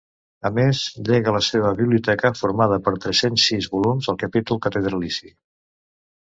A més, llega la seva biblioteca, formada per tres-cents sis volums, al capítol catedralici.